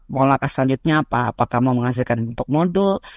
mohonlah keselanjutnya apa apakah mau menghasilkan bentuk modul